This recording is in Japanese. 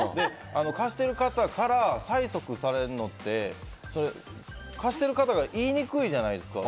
貸してる方から催促されるのって貸している方が言いにくいじゃないですか。